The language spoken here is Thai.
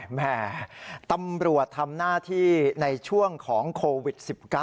แม่ตำรวจทำหน้าที่ในช่วงของโควิด๑๙